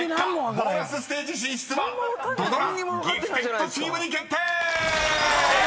ボーナスステージ進出は土ドラギフテッドチームに決定！］